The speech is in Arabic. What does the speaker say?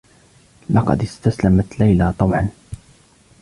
لقد استسلمت ليلى طوعا.